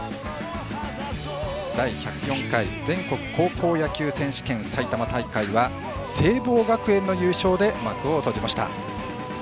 第１０４回全国高校野球選手権埼玉大会は聖望学園の優勝で幕を閉じました。